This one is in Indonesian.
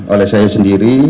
oleh saya sendiri